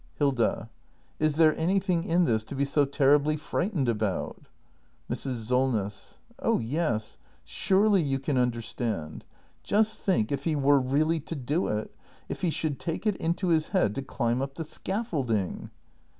Hilda. Is there anything in this to be so terribly frightened about ? Mrs. Solness. Oh yes; surely you can understand. Just think, if he were really to do it! If he should take it into his head to climb up the scaffolding!